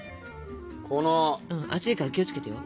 熱いから気を付けてよ。